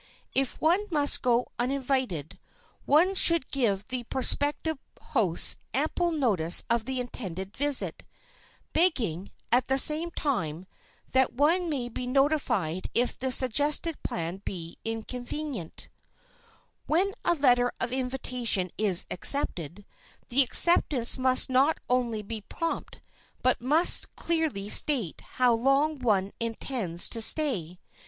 If one must go uninvited, one should give the prospective hosts ample notice of the intended visit, begging, at the same time, that one may be notified if the suggested plan be inconvenient. [Sidenote: BE PROMPT AND DEFINITE] When a letter of invitation is accepted, the acceptance must not only be prompt, but must clearly state how long one intends to stay.